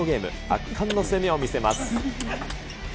圧巻の攻めを見せます。